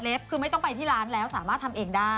คือไม่ต้องไปที่ร้านแล้วสามารถทำเองได้